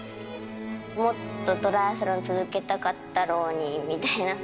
もっとトライアスロン続けたかったろうにみたいな。